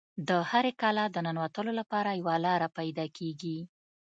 د هرې کلا د ننوتلو لپاره یوه لاره پیدا کیږي